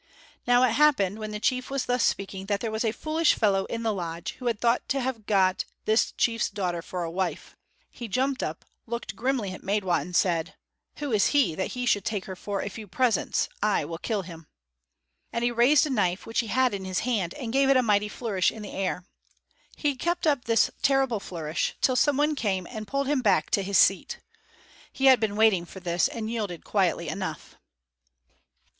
Now it happened when the chief was thus speaking that there was a foolish fellow in the lodge, who had thought to have got this chief's daughter for a wife. He jumped up, looked grimly at Maidwa, and said: "Who is he that he should take her for a few presents? I will kill him." And he raised a knife which he had in his hand and gave it a mighty flourish in the air. He kept up this terrible flourish till some one came and pulled him back to his seat. He had been waiting for this and yielded quietly enough.